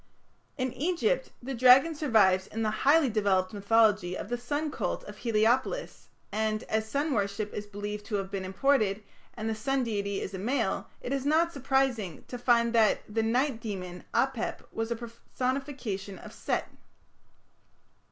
In Egypt the dragon survives in the highly developed mythology of the sun cult of Heliopolis, and, as sun worship is believed to have been imported, and the sun deity is a male, it is not surprising to find that the night demon, Apep, was a personification of Set.